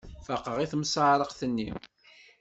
Faqeɣ i timseεreqt-nni.